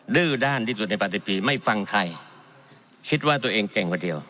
ดื้อด้านที่สุดในปฏิไม่ฟังใครคิดว่าตัวเองเก่งกว่าเดียว